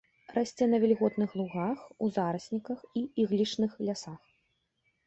Расце на вільготных лугах, у зарасніках і іглічных лясах.